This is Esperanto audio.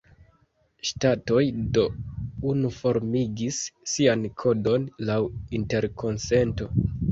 Ŝtatoj do unuformigis sian kodon laŭ interkonsento.